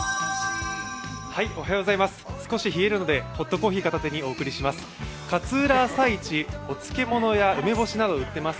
少し冷えるのでホットコーヒー片手にお伝えします。